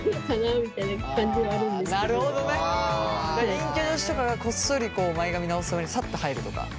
陰キャの人がこっそり前髪直すためにサッと入るとか？